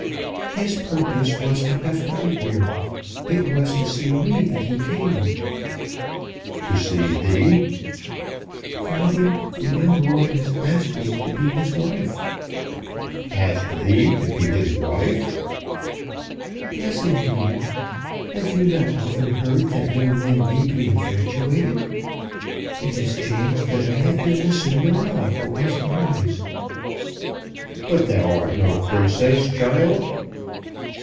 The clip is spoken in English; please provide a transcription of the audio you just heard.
"His purpose was to have come here. It was to see me that he came." "To see thee?" "Father, the young lord has asked me to be his wife." "Asked thee to be his wife!" "Yes, indeed. Have you not often heard that young men may be infatuated? It has chanced that I have been the Cinderella for his eyes." "But thou art no princess, child."